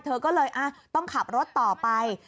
เธอก็เลยต้องขับรถต่อไป